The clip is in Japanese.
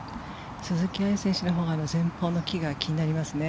鈴木愛選手のほうが前方の木が気になりますね。